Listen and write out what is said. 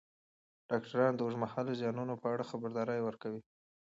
ډاکټران د اوږدمهاله زیانونو په اړه خبرداری ورکوي.